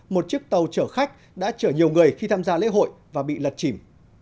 một chiếc tàu chở khách đã chở nhiều người khi tham gia lễ hội và bị lật chìm